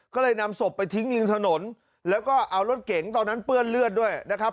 ก็เลยนำศพไปทิ้งริมถนนแล้วก็เอารถเก๋งตอนนั้นเปื้อนเลือดด้วยนะครับ